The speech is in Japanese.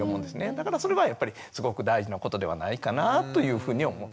だからそれはやっぱりすごく大事なことではないかなというふうに思う。